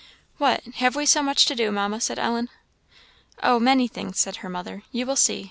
"What, have we so much to do, Mamma?" said Ellen. "Oh, many things," said her mother, "you will see.